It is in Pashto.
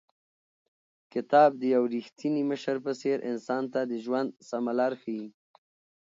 کتاب د یو رښتیني مشر په څېر انسان ته د ژوند سمه لار ښیي.